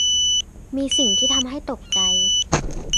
มีสิ่งที่ทำให้ตกใจ